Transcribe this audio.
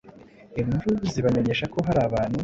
inkuru zibamenyesha ko hari abantu